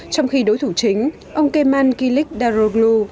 trong khi đối thủ chính ông kemal kilik daroglu